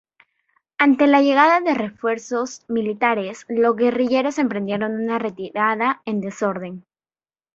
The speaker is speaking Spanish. Ante la llegada de refuerzos militares, los guerrilleros emprendieron una retirada en desorden.